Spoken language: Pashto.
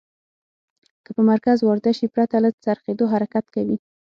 که په مرکز وارده شي پرته له څرخیدو حرکت کوي.